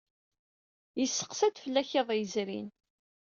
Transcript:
Yesseqsa-d fell-ak iḍ yezrin.